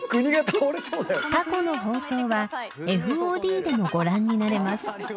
［過去の放送はＦＯＤでもご覧になれます］